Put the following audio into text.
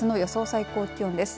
最高気温です。